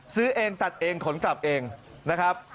ซื้อเองตัดเองขนกลับเองนะครับ